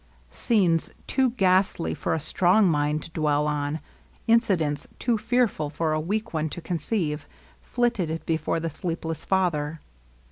Scenes too ghastly for a strong mind to dwell upon, incidents too fearful for a weak one to conceive^ flitted before the sleepless father.